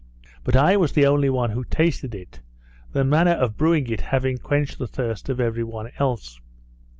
But I was the only one who tasted it; the manner of brewing it having quenched the thirst of every one else.